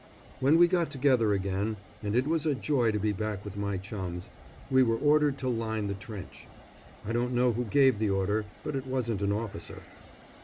When we got together again and it was a joy to be back with my chums we were ordered to line the trench. I don't know who gave the order, but it wasn't an officer.